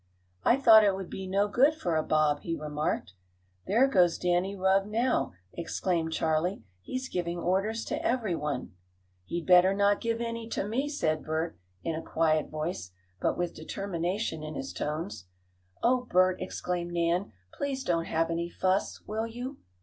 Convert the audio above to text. "I thought it would be no good for a bob," he remarked. "There goes Danny Rugg now!" exclaimed Charley. "He's giving orders to everyone." "He'd better not give any to me," said Bert, in a quiet voice, but with determination in his tones. "Oh, Bert!" exclaimed Nan. "Please don't have any fuss; will you?"